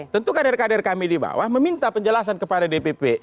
tentu kader kader kami di bawah meminta penjelasan kepada dpp